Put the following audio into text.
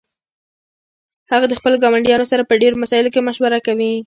هغه د خپلو ګاونډیانو سره په ډیرو مسائلو کې مشوره کوي